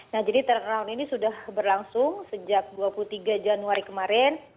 nah jadi turn around ini sudah berlangsung sejak dua puluh tiga januari kemarin